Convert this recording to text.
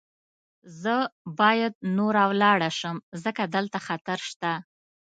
زه باید نوره ولاړه شم، ځکه دلته خطر شته.